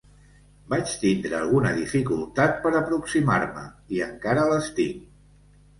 Vaig tindre alguna dificultar per aproximar-me, i encara les tinc.